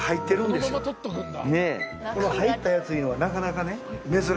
入ったやついうのはなかなか珍しい。